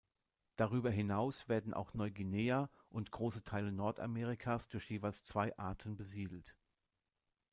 Darüber hinaus werden auch Neuguinea und große Teile Nordamerikas durch jeweils zwei Arten besiedelt.